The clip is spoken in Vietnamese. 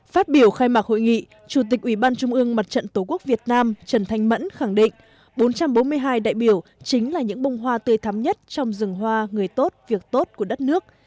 phát biểu khai mạc hội nghị chủ tịch ủy ban trung ương mặt trận tổ quốc việt nam trần thanh mẫn khẳng định bốn trăm bốn mươi hai đại biểu chính là những bông hoa tươi thắm nhất trong rừng hoa người tốt việc tốt của đất nước